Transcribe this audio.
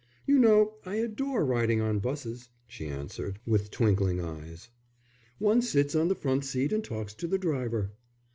"You know, I adore riding on 'buses," she answered, with twinkling eyes. "One sits on the front seat and talks to the driver."